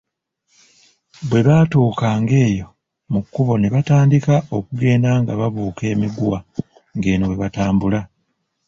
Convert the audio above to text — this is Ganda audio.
Bwe batuukanga eyo mu kkubo ne batandika okugenda nga babuuka emiguwa ng'eno bwe batambula.